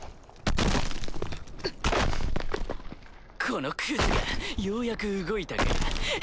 このクズがようやく動いたか。